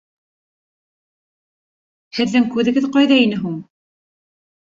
— Һеҙҙең күҙегеҙ ҡайҙа ине һуң?